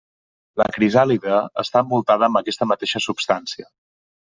La crisàlide està envoltada amb aquesta mateixa substància.